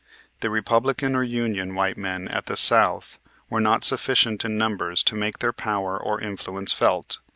The Republican or Union white men at the South were not sufficient in numbers to make their power or influence felt.